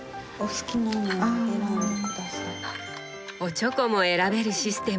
おちょこも選べるシステム。